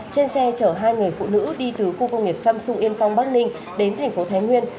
trên xe chở hai người phụ nữ đi từ khu công nghiệp samsung yên phong bắc ninh đến thành phố thái nguyên